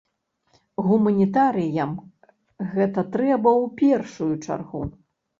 Гуманітарыям гэта трэба ў першую чаргу.